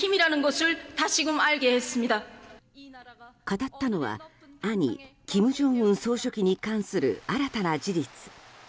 語ったのは兄・金正恩総書記に関する新たな事実。